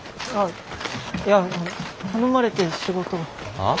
ああ？